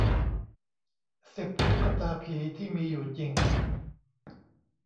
สิบ ตุ๊กตาผีที่มีอยู่จริง